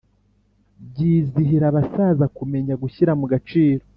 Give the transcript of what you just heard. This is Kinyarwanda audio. Byizihira abasaza kumenya gushyira mu gaciro,